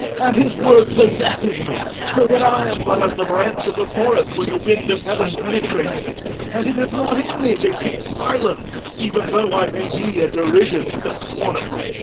And his word possesses me so that I am but as the branch of the forest when the wind of heaven penetrates it, and it is not in me to keep silence, even though I may be a derision to the scorner.